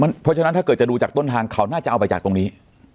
เพราะฉะนั้นถ้าเกิดจะดูจากต้นทางเขาน่าจะเอาไปจากตรงนี้